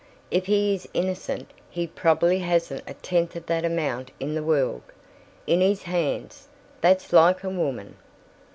If he is innocent, he probably hasn't a tenth of that amount in the world. In his hands! That's like a woman."